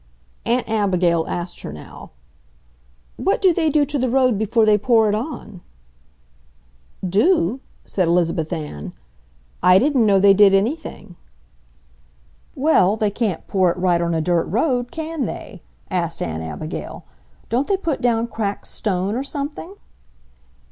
Aunt Abigail asked her now, "What do they do to the road before they pour it on?" "Do?" said Elizabeth Ann. "I didn't know they did anything." "Well, they can't pour it right on a dirt road, can they?" asked Aunt Abigail. "Don't they put down cracked stone or something?"